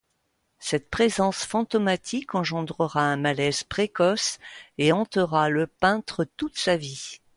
Cette présence fantomatique engendrera un malaise précoce et hantera le peintre toute sa vie.